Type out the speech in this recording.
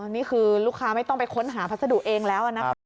นี่คือลูกค้าไม่ต้องไปค้นหาพัสดุเองแล้วนะคะ